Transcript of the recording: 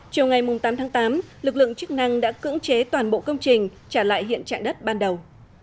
trong ngày tám tháng tám lực lượng chức năng đã cưỡng chế toàn bộ công trình trả lại hiện trạng đất ban đầu